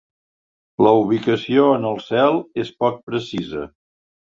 La ubicació en el cel és poc precisa.